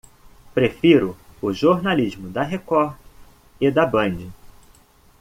Prefiro o jornalismo da Record e da Band.